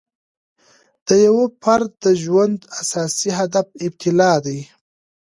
د یو فرد د ژوند اساسي هدف ابتلأ دی.